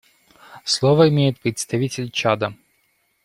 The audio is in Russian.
Слово имеет представитель Чада.